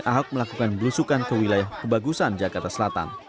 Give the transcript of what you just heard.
ahok melakukan belusukan ke wilayah kebagusan jakarta selatan